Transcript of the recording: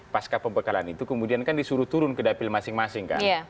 pasca pembekalan itu kemudian kan disuruh turun ke dapil masing masing kan